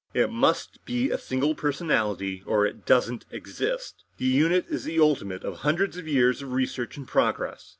It must be a single personality, or it doesn't exist. The unit is the ultimate of hundreds of years of research and progress.